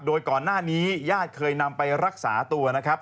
โดยก่อนหน้านี้ญาติเคยนำไปรักษาตัวนะครับ